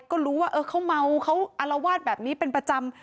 ก็รู้ว่าเขาเมาเขาอารวาสแบบนี้เป็นประจำ